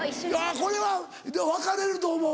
これは分かれると思う。